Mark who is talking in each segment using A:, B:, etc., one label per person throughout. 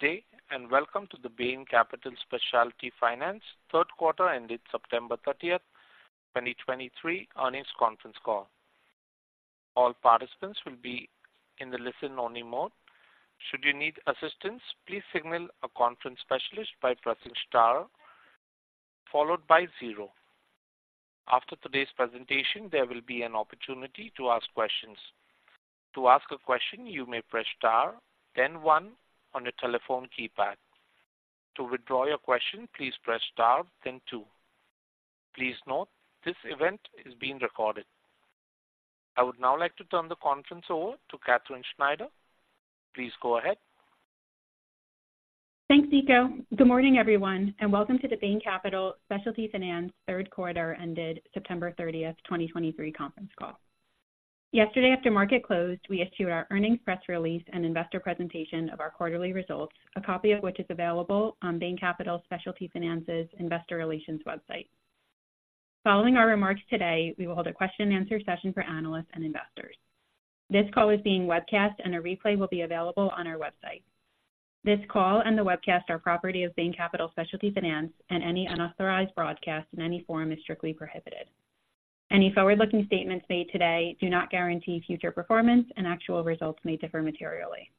A: Good day, and welcome to the Bain Capital Specialty Finance third quarter ended September 30th, 2023 earnings conference call. All participants will be in the listen-only mode. Should you need assistance, please signal a conference specialist by pressing star followed by zero. After today's presentation, there will be an opportunity to ask questions. To ask a question, you may press star, then one on your telephone keypad. To withdraw your question, please press star, then two. Please note, this event is being recorded. I would now like to turn the conference over to Katherine Schneider. Please go ahead.
B: Thanks, Seiko. Good morning, everyone, and welcome to the Bain Capital Specialty Finance third quarter ended September 30th, 2023 conference call. Yesterday, after market closed, we issued our earnings press release and investor presentation of our quarterly results, a copy of which is available on Bain Capital Specialty Finance's Investor Relations website. Following our remarks today, we will hold a question and answer session for analysts and investors. This call is being webcast, and a replay will be available on our website. This call and the webcast are property of Bain Capital Specialty Finance, and any unauthorized broadcast in any form is strictly prohibited. Any forward-looking statements made today do not guarantee future performance, and actual results may differ materially.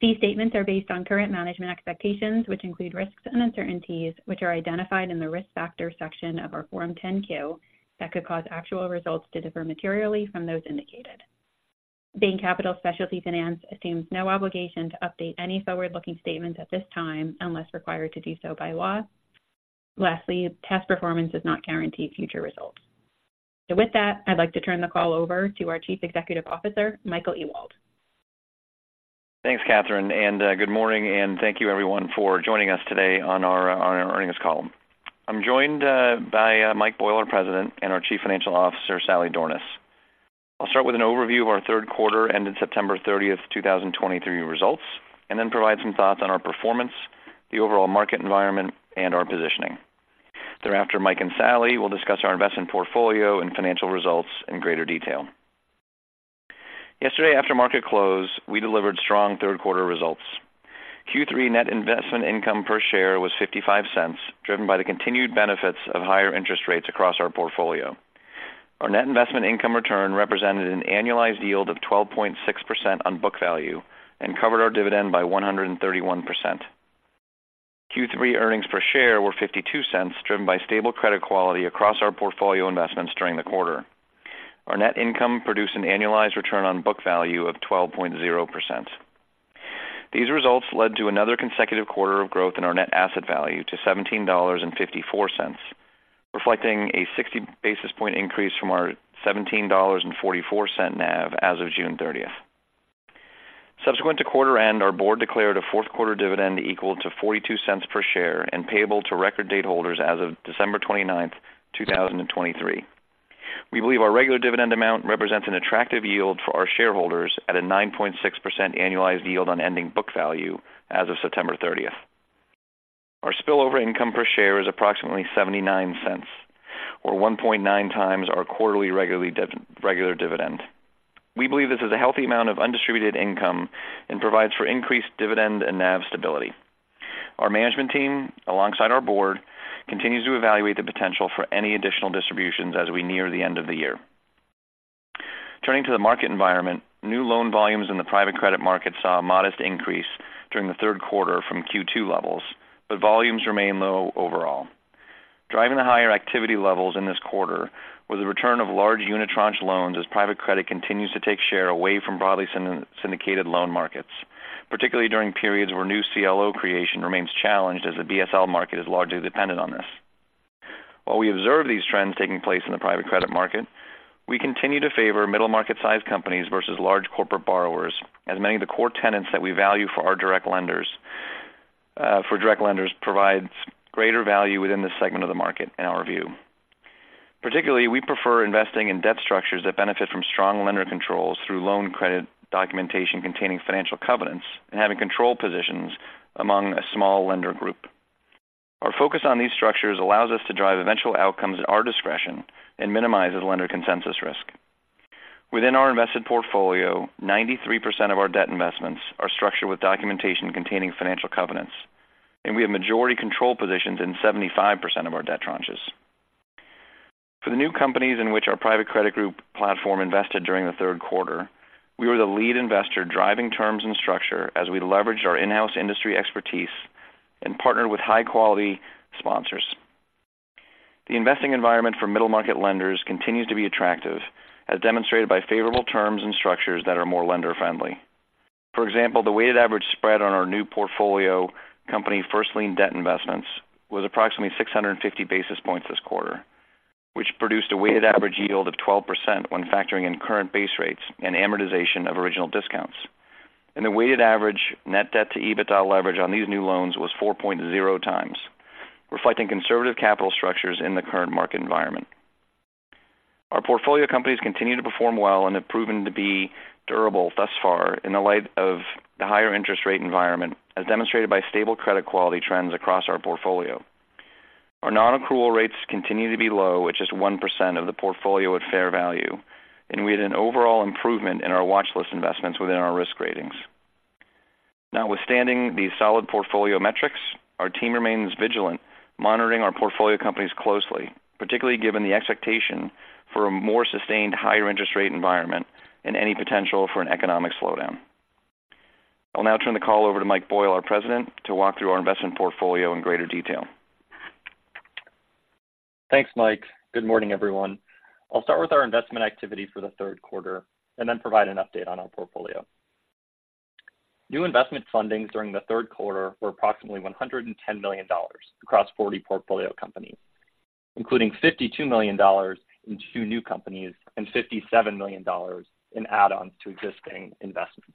B: These statements are based on current management expectations, which include risks and uncertainties, which are identified in the Risk Factors section of our Form 10-K, that could cause actual results to differ materially from those indicated. Bain Capital Specialty Finance assumes no obligation to update any forward-looking statements at this time unless required to do so by law. Lastly, past performance does not guarantee future results. So with that, I'd like to turn the call over to our Chief Executive Officer, Michael Ewald.
C: Thanks, Katherine, and good morning, and thank you everyone for joining us today on our earnings call. I'm joined by Mike Boyle, our President, and our Chief Financial Officer, Sally Dornaus. I'll start with an overview of our third quarter, ended September 30th, 2023 results, and then provide some thoughts on our performance, the overall market environment, and our positioning. Thereafter, Mike and Sally will discuss our investment portfolio and financial results in greater detail. Yesterday, after market close, we delivered strong third quarter results. Q3 net investment income per share was $0.55, driven by the continued benefits of higher interest rates across our portfolio. Our net investment income return represented an annualized yield of 12.6% on book value and covered our dividend by 131%. Q3 earnings per share were $0.52, driven by stable credit quality across our portfolio investments during the quarter. Our net income produced an annualized return on book value of 12.0%. These results led to another consecutive quarter of growth in our net asset value to $17.54, reflecting a 60 basis points increase from our $17.44 NAV as of June 30. Subsequent to quarter end, our board declared a fourth quarter dividend equal to $0.42 per share and payable to record date holders as of December 29, 2023. We believe our regular dividend amount represents an attractive yield for our shareholders at a 9.6% annualized yield on ending book value as of September 30th. Our spillover income per share is approximately $0.79, or 1.9 times our quarterly regular dividend. We believe this is a healthy amount of undistributed income and provides for increased dividend and NAV stability. Our management team, alongside our board, continues to evaluate the potential for any additional distributions as we near the end of the year. Turning to the market environment, new loan volumes in the private credit market saw a modest increase during the third quarter from Q2 levels, but volumes remain low overall. Driving the higher activity levels in this quarter was the return of large unitranche loans as private credit continues to take share away from broadly syndicated loan markets, particularly during periods where new CLO creation remains challenged as the BSL market is largely dependent on this. While we observe these trends taking place in the private credit market, we continue to favor middle-market sized companies versus large corporate borrowers, as many of the core tenets that we value for our direct lenders provides greater value within this segment of the market, in our view. Particularly, we prefer investing in debt structures that benefit from strong lender controls through loan credit documentation containing financial covenants and having control positions among a small lender group. Our focus on these structures allows us to drive eventual outcomes at our discretion and minimizes lender consensus risk. Within our invested portfolio, 93% of our debt investments are structured with documentation containing financial covenants, and we have majority control positions in 75% of our debt tranches. For the new companies in which our private credit group platform invested during the third quarter, we were the lead investor, driving terms and structure as we leveraged our in-house industry expertise and partnered with high-quality sponsors. The investing environment for middle-market lenders continues to be attractive, as demonstrated by favorable terms and structures that are more lender-friendly. For example, the weighted average spread on our new portfolio company, first lien debt investments, was approximately 650 basis points this quarter, which produced a weighted average yield of 12% when factoring in current base rates and amortization of original discounts. The weighted average net debt to EBITDA leverage on these new loans was 4.0x, reflecting conservative capital structures in the current market environment. Our portfolio companies continue to perform well and have proven to be durable thus far in the light of the higher interest rate environment, as demonstrated by stable credit quality trends across our portfolio.
D: Our non-accrual rates continue to be low, with just 1% of the portfolio at fair value, and we had an overall improvement in our watch list investments within our risk ratings. Notwithstanding the solid portfolio metrics, our team remains vigilant, monitoring our portfolio companies closely, particularly given the expectation for a more sustained higher interest rate environment and any potential for an economic slowdown. I'll now turn the call over to Mike Boyle, our President, to walk through our investment portfolio in greater detail. Thanks, Mike. Good morning, everyone. I'll start with our investment activity for the third quarter and then provide an update on our portfolio. New investment fundings during the third quarter were approximately $110 million across 40 portfolio companies, including $52 million in two new companies and $57 million in add-ons to existing investments.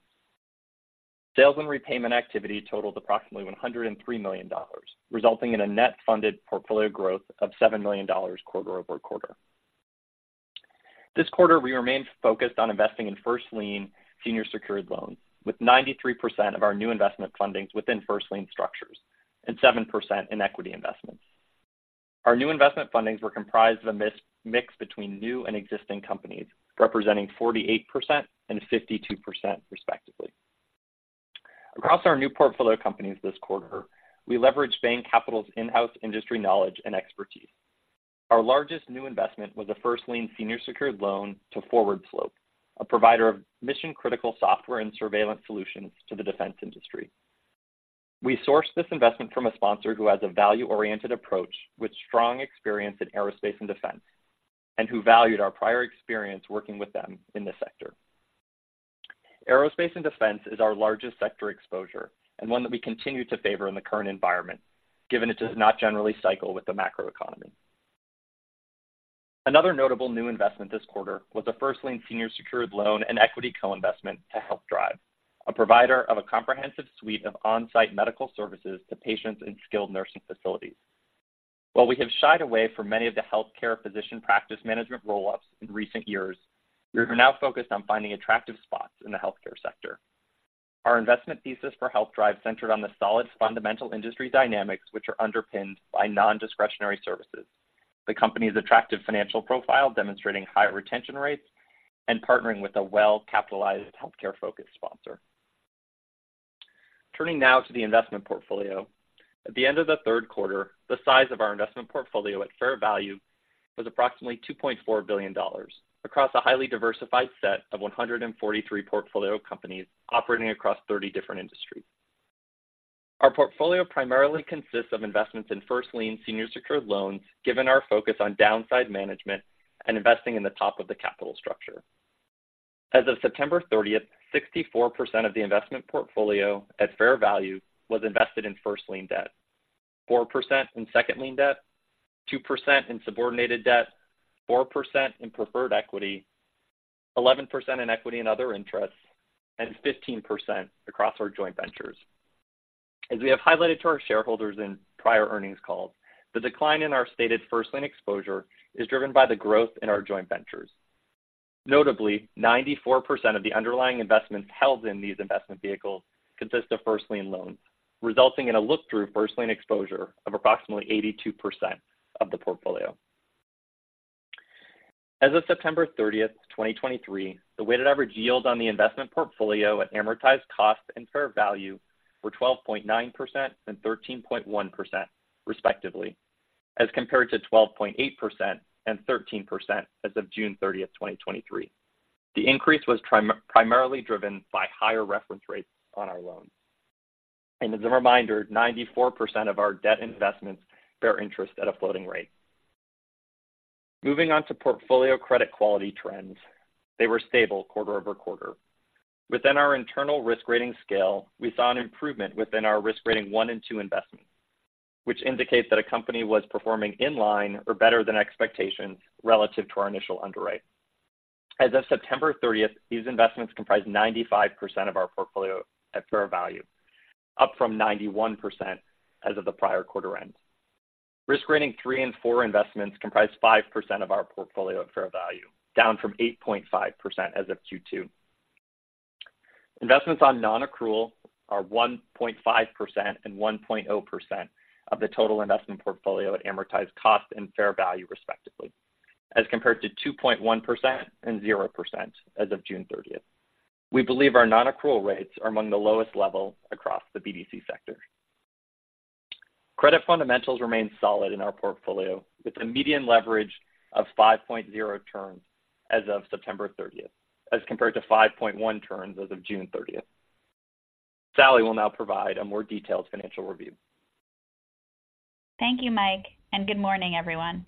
D: Sales and repayment activity totaled approximately $103 million, resulting in a net funded portfolio growth of $7 million quarter-over-quarter. This quarter, we remained focused on investing in first lien senior secured loans, with 93% of our new investment fundings within first lien structures and 7% in equity investments. Our new investment fundings were comprised of a mix between new and existing companies, representing 48% and 52% respectively. Across our new portfolio companies this quarter, we leveraged Bain Capital's in-house industry knowledge and expertise. Our largest new investment was a first lien senior secured loan to Forward Slope, a provider of mission-critical software and surveillance solutions to the defense industry. We sourced this investment from a sponsor who has a value-oriented approach, with strong experience in aerospace and defense, and who valued our prior experience working with them in this sector. Aerospace and defense is our largest sector exposure and one that we continue to favor in the current environment, given it does not generally cycle with the macroeconomy. Another notable new investment this quarter was a first lien senior secured loan and equity co-investment to HealthDrive, a provider of a comprehensive suite of on-site medical services to patients in skilled nursing facilities. While we have shied away from many of the healthcare physician practice management roll-ups in recent years, we are now focused on finding attractive spots in the healthcare sector. Our investment thesis for HealthDrive centered on the solid fundamental industry dynamics, which are underpinned by non-discretionary services. The company's attractive financial profile, demonstrating high retention rates and partnering with a well-capitalized, healthcare-focused sponsor. Turning now to the investment portfolio. At the end of the third quarter, the size of our investment portfolio at fair value was approximately $2.4 billion across a highly diversified set of 143 portfolio companies operating across 30 different industries. Our portfolio primarily consists of investments in first lien senior secured loans, given our focus on downside management and investing in the top of the capital structure. As of September 30th, 64% of the investment portfolio at fair value was invested in first lien debt, 4% in second lien debt, 2% in subordinated debt, 4% in preferred equity, 11% in equity and other interests, and 15% across our joint ventures. As we have highlighted to our shareholders in prior earnings calls, the decline in our stated first lien exposure is driven by the growth in our joint ventures. Notably, 94% of the underlying investments held in these investment vehicles consist of first lien loans, resulting in a look-through first lien exposure of approximately 82% of the portfolio. As of September 30th, 2023, the weighted average yield on the investment portfolio at amortized cost and fair value were 12.9% and 13.1%, respectively, as compared to 12.8% and 13% as of June 30, 2023. The increase was primarily driven by higher reference rates on our loans. As a reminder, 94% of our debt investments bear interest at a floating rate. Moving on to portfolio credit quality trends. They were stable quarter-over-quarter. Within our internal risk rating scale, we saw an improvement within our risk rating one and two investments, which indicates that a company was performing in line or better than expectations relative to our initial underwrite. As of September 30th, these investments comprised 95% of our portfolio at fair value, up from 91% as of the prior quarter end. Risk rating three and four investments comprised 5% of our portfolio at fair value, down from 8.5% as of Q2. Investments on non-accrual are 1.5% and 1.0% of the total investment portfolio at amortized cost and fair value, respectively, as compared to 2.1% and 0% as of June 30th. We believe our non-accrual rates are among the lowest level across the BDC sector. Credit fundamentals remain solid in our portfolio, with a median leverage of 5.0 turns as of September 30th, as compared to 5.1 turns as of June 30th. Sally will now provide a more detailed financial review.
E: Thank you, Mike, and good morning, everyone.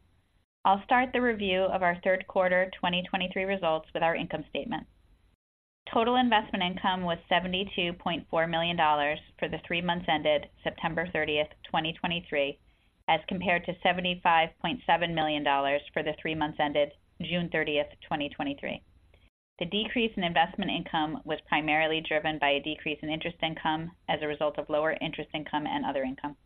E: I'll start the review of our third quarter 2023 results with our income statement. Total investment income was $72.4 million for the three months ended September 30th, 2023, as compared to $75.7 million for the three months ended June 30, 2023. The decrease in investment income was primarily driven by a decrease in interest income as a result of lower interest income and other income.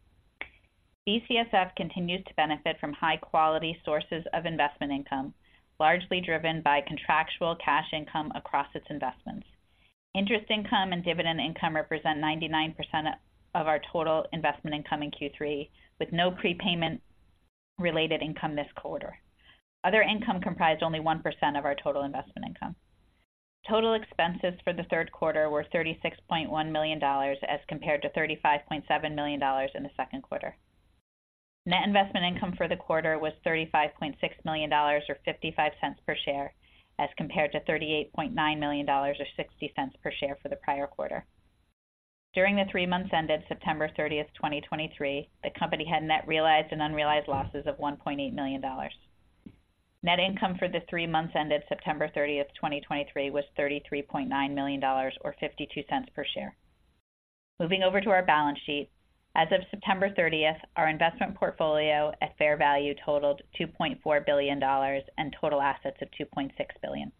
E: BCSF continues to benefit from high-quality sources of investment income, largely driven by contractual cash income across its investments. Interest income and dividend income represent 99% of our total investment income in Q3, with no prepayment-related income this quarter. Other income comprised only 1% of our total investment income. Total expenses for the third quarter were $36.1 million, as compared to $35.7 million in the second quarter. Net investment income for the quarter was $35.6 million, or $0.55 per share, as compared to $38.9 million, or $0.60 per share for the prior quarter. During the three months ended September 30th, 2023, the company had net realized and unrealized losses of $1.8 million. Net income for the three months ended September 30th, 2023, was $33.9 million or $0.52 per share. Moving over to our balance sheet. As of September 30th, our investment portfolio at fair value totaled $2.4 billion, and total assets of $2.6 billion.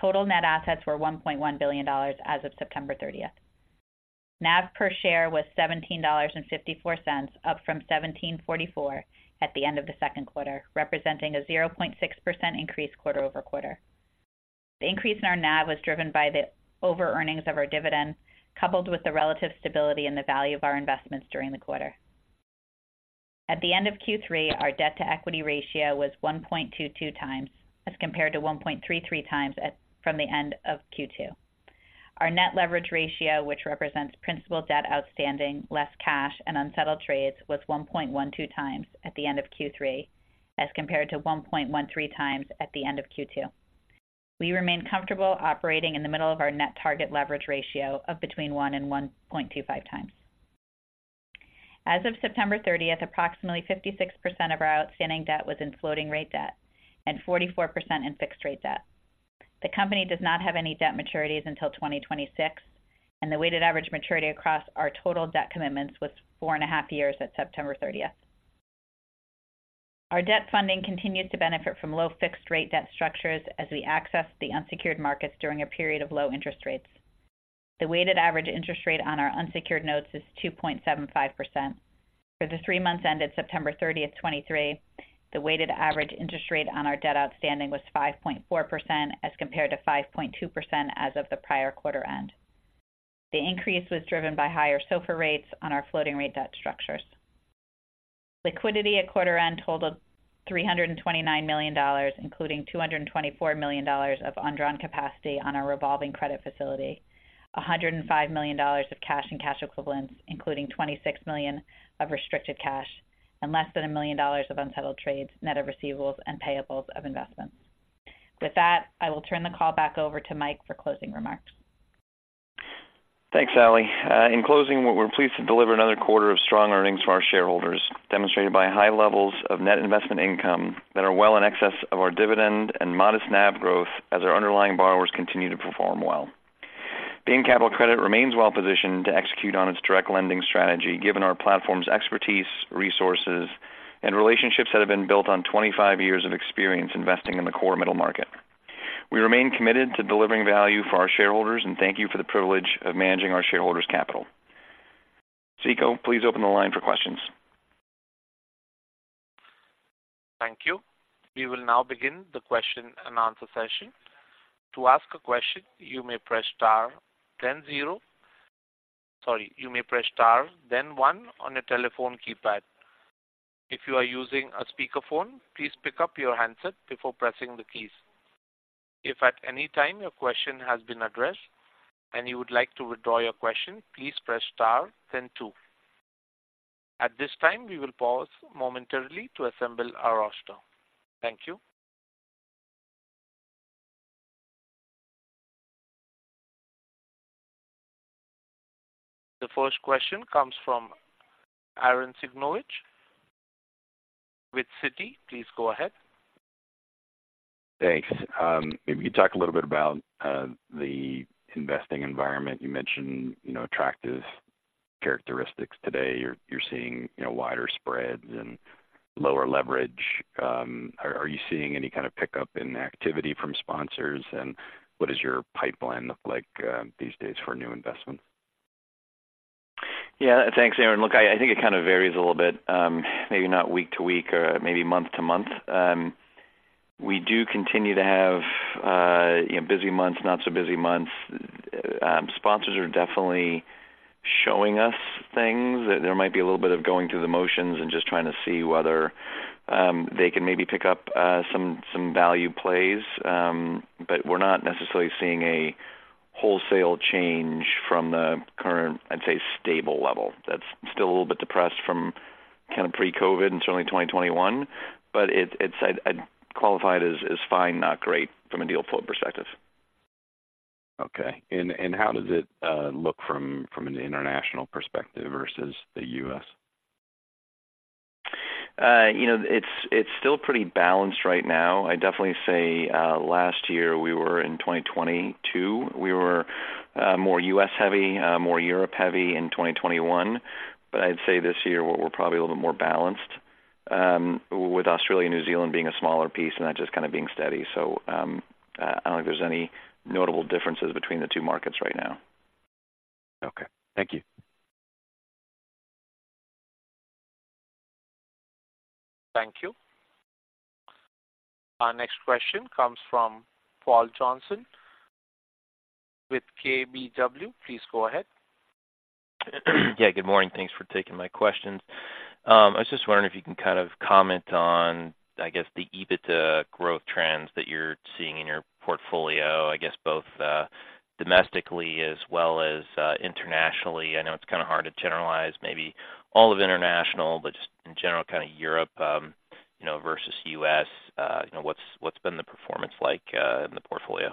E: Total net assets were $1.1 billion as of September 30th. NAV per share was $17.54, up from $17.44 at the end of the second quarter, representing a 0.6% increase quarter-over-quarter. The increase in our NAV was driven by the over-earnings of our dividend, coupled with the relative stability in the value of our investments during the quarter. At the end of Q3, our debt-to-equity ratio was 1.22 times, as compared to 1.33 times from the end of Q2. Our net leverage ratio, which represents principal debt outstanding, less cash and unsettled trades, was 1.12 times at the end of Q3, as compared to 1.13 times at the end of Q2. We remain comfortable operating in the middle of our net target leverage ratio of between 1 and 1.25 times. As of September 30th, approximately 56% of our outstanding debt was in floating rate debt and 44% in fixed rate debt. The company does not have any debt maturities until 2026, and the weighted average maturity across our total debt commitments was four and a half years at September 30th. Our debt funding continued to benefit from low fixed rate debt structures as we accessed the unsecured markets during a period of low interest rates. The weighted average interest rate on our unsecured notes is 2.75%. For the three months ended September 30th, 2023, the weighted average interest rate on our debt outstanding was 5.4%, as compared to 5.2% as of the prior quarter end. The increase was driven by higher SOFR rates on our floating rate debt structures. Liquidity at quarter end totaled $329 million, including $224 million of undrawn capacity on our revolving credit facility. $105 million of cash and cash equivalents, including $26 million of restricted cash and less than $1 million of unsettled trades, net of receivables and payables of investments. With that, I will turn the call back over to Mike for closing remarks.
C: Thanks, Sally. In closing, we're pleased to deliver another quarter of strong earnings to our shareholders, demonstrated by high levels of net investment income that are well in excess of our dividend and modest NAV growth as our underlying borrowers continue to perform well. Bain Capital Credit remains well positioned to execute on its direct lending strategy, given our platform's expertise, resources, and relationships that have been built on 25 years of experience investing in the core middle market. We remain committed to delivering value for our shareholders, and thank you for the privilege of managing our shareholders' capital. Seiko, please open the line for questions.
A: Thank you. We will now begin the question-and-answer session. To ask a question, you may press star then zero. Sorry, you may press star then one on your telephone keypad. If you are using a speakerphone, please pick up your handset before pressing the keys. If at any time your question has been addressed and you would like to withdraw your question, please press star then two. At this time, we will pause momentarily to assemble our roster. Thank you. The first question comes from Arren Cyganovich with Citi. Please go ahead.
F: Thanks. If you talk a little bit about the investing environment. You mentioned, you know, attractive characteristics today. You're seeing, you know, wider spreads and lower leverage. Are you seeing any kind of pickup in activity from sponsors, and what does your pipeline look like these days for new investments?
C: Yeah. Thanks, Arren. Look, I, I think it kind of varies a little bit, maybe not week to week or maybe month to month. We do continue to have, you know, busy months, not so busy months. Sponsors are definitely showing us things. There might be a little bit of going through the motions and just trying to see whether, they can maybe pick up, some, some value plays. But we're not necessarily seeing a wholesale change from the current, I'd say, stable level. That's still a little bit depressed from kind of pre-COVID and certainly 2021, but it's, it's I'd, I'd qualify it as, as fine, not great, from a deal flow perspective.
F: Okay. How does it look from an international perspective versus the U.S.?
C: You know, it's still pretty balanced right now. I'd definitely say last year we were in 2022, we were more U.S. heavy, more Europe heavy in 2021. But I'd say this year we're probably a little bit more balanced, with Australia and New Zealand being a smaller piece, and that just kind of being steady. So, I don't think there's any notable differences between the two markets right now.
F: Okay. Thank you.
A: Our next question comes from Paul Johnson with KBW. Please go ahead.
G: Yeah, good morning. Thanks for taking my questions. I was just wondering if you can kind of comment on, I guess, the EBITDA growth trends that you're seeing in your portfolio, I guess, both, domestically as well as, internationally. I know it's kind of hard to generalize maybe all of international, but just in general, kind of Europe, you know, versus U.S., you know, what's been the performance like, in the portfolio?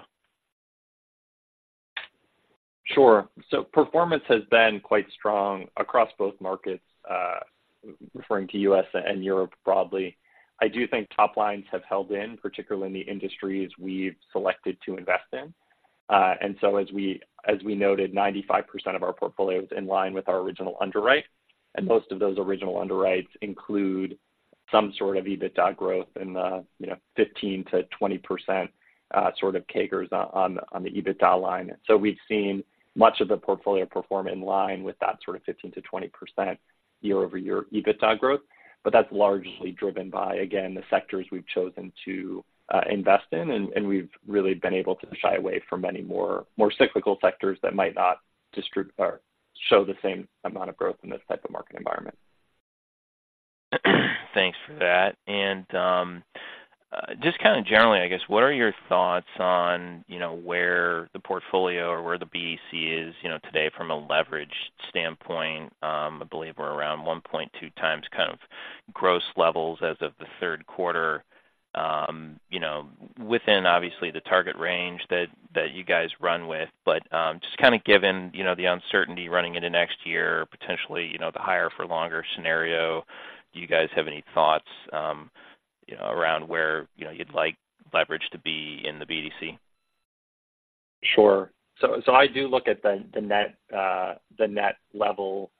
D: Sure. So performance has been quite strong across both markets, referring to U.S. and Europe broadly. I do think top lines have held in, particularly in the industries we've selected to invest in. And so, as we noted, 95% of our portfolio is in line with our original underwrite, and most of those original underwrites include some sort of EBITDA growth in the, you know, 15%-20%, sort of CAGRs on the EBITDA line. So we've seen much of the portfolio perform in line with that sort of 15%-20% year-over-year EBITDA growth. But that's largely driven by, again, the sectors we've chosen to invest in, and we've really been able to shy away from many more cyclical sectors that might not or show the same amount of growth in this type of market environment.
G: Thanks for that. And, just kind of generally, I guess, what are your thoughts on, you know, where the portfolio or where the BDC is, you know, today from a leverage standpoint? I believe we're around 1.2 times kind of gross levels as of the third quarter, you know, within obviously the target range that, that you guys run with. But, just kinda given, you know, the uncertainty running into next year, potentially, you know, the higher for longer scenario, do you guys have any thoughts, you know, around where, you know, you'd like leverage to be in the BDC?
D: Sure. So I do look at the net level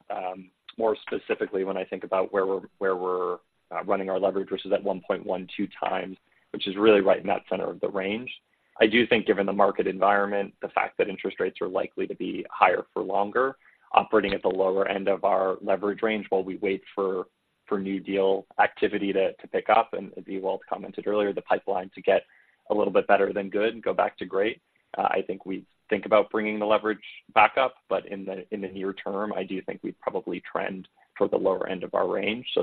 D: more specifically when I think about where we're running our leverage, which is at 1.12 times, which is really right in that center of the range. I do think given the market environment, the fact that interest rates are likely to be higher for longer, operating at the lower end of our leverage range while we wait for new deal activity to pick up, and as you all commented earlier, the pipeline to get a little bit better than good and go back to great. I think we think about bringing the leverage back up, but in the near term, I do think we'd probably trend toward the lower end of our range so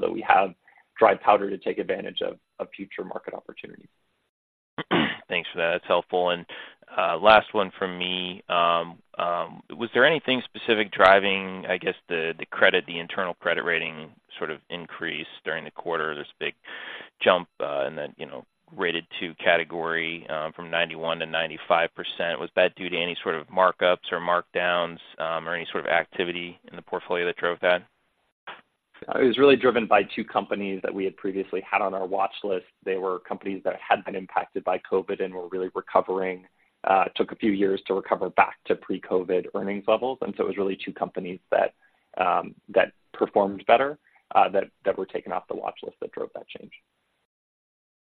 D: that we have dry powder to take advantage of future market opportunities.
G: Thanks for that. It's helpful. Last one from me. Was there anything specific driving, I guess, the credit, the internal credit rating sort of increase during the quarter, this big jump in the rated two category from 91%-95%? Was that due to any sort of markups or markdowns or any sort of activity in the portfolio that drove that?
D: It was really driven by two companies that we had previously had on our watch list. They were companies that had been impacted by COVID and were really recovering. Took a few years to recover back to pre-COVID earnings levels, and so it was really two companies that performed better that were taken off the watch list that drove that change.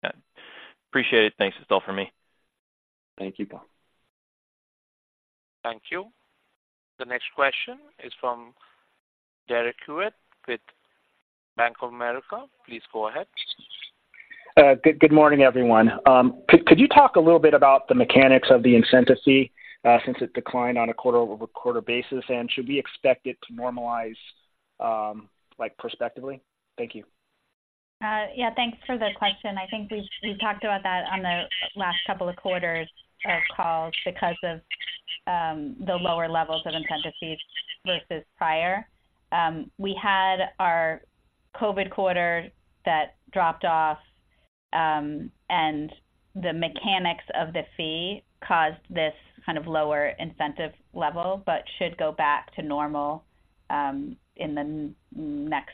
G: Yeah. Appreciate it. Thanks. That's all for me.
D: Thank you, Paul.
A: Thank you. The next question is from Derek Hewett with Bank of America. Please go ahead.
H: Good morning, everyone. Could you talk a little bit about the mechanics of the incentive fee, since it declined on a quarter-over-quarter basis? And should we expect it to normalize, like, prospectively? Thank you.
E: Yeah, thanks for the question. I think we've talked about that on the last couple of quarters of calls because of the lower levels of incentive fees versus prior. We had our COVID quarter that dropped off, and the mechanics of the fee caused this kind of lower incentive level, but should go back to normal in the next,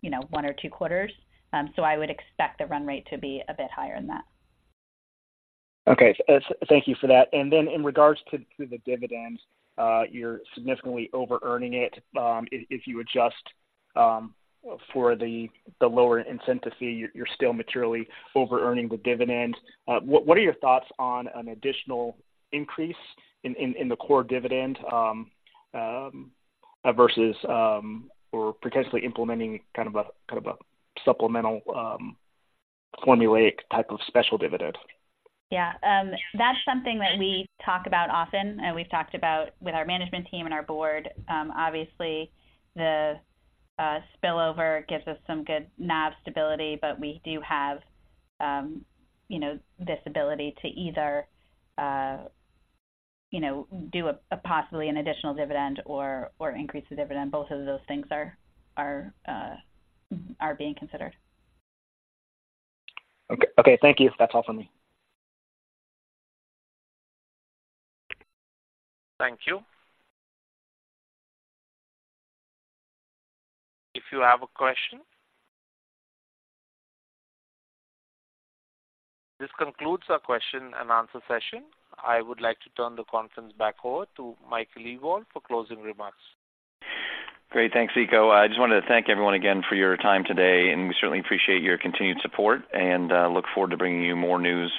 E: you know, one or two quarters. So I would expect the run rate to be a bit higher than that.
H: Okay. Thank you for that. And then in regards to the dividends, you're significantly overearning it. If you adjust for the lower incentive fee, you're still materially overearning the dividend. What are your thoughts on an additional increase in the core dividend versus or potentially implementing kind of a supplemental formulaic type of special dividend?
E: Yeah, that's something that we talk about often, and we've talked about with our management team and our board. Obviously, the spillover gives us some good NAV stability, but we do have, you know, this ability to either, you know, do a possibly an additional dividend or increase the dividend. Both of those things are being considered.
H: Okay. Thank you. That's all for me.
A: Thank you. If you have a question—this concludes our question and answer session. I would like to turn the conference back over to Michael Ewald for closing remarks.
C: Great. Thanks, Seiko. I just wanted to thank everyone again for your time today, and we certainly appreciate your continued support and, look forward to bringing you more news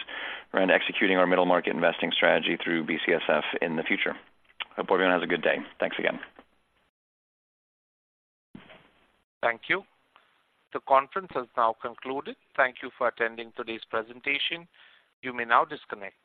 C: around executing our middle market investing strategy through BCSF in the future. Hope everyone has a good day. Thanks again.
A: Thank you. The conference has now concluded. Thank you for attending today's presentation. You may now disconnect.